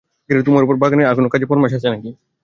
তোমার উপর বাগানের আর কোনো কাজের ফরমাশ আছে নাকি।